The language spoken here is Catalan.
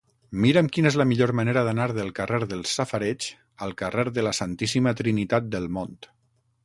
Mira'm quina és la millor manera d'anar del carrer dels Safareigs al carrer de la Santíssima Trinitat del Mont.